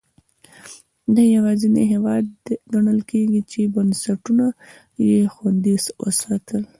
دا یوازینی هېواد ګڼل کېږي چې بنسټونه یې خوندي وساتل.